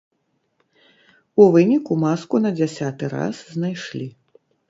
У выніку маску на дзясяты раз знайшлі.